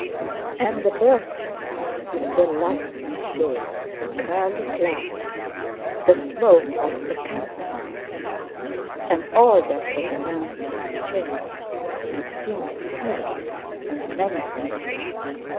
And the birches with their light and shade, the curly clouds, the smoke of the campfires, and all that was around him changed and seemed terrible and menacing.